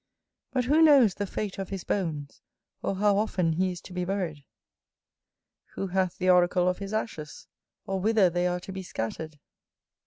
But who knows the fate of his bones, or how often he is to be buried? Who hath the oracle of his ashes, or whither they are to be scattered?